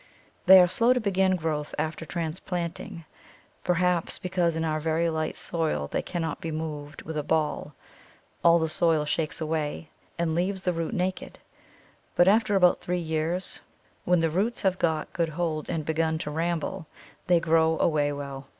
They are slow to begin growth after transplanting, perhaps because in our very light soil they cannot be moved with a "ball"; all the soil shakes away, and leaves the root naked; but after about three years, when the roots have got good hold and begun to ramble, they grow away well.